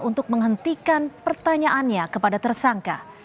untuk menghentikan pertanyaannya kepada tersangka